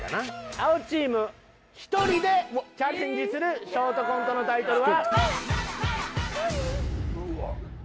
青チーム１人でチャレンジするショートコントのタイトルは。